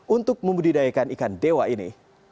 untuk membudidayakan ikan dewa ini